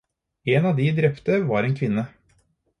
En av de drepte var en kvinne.